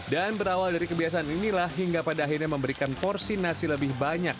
dan berawal dari kebiasaan inilah hingga pada akhirnya memberikan porsi nasi lebih banyak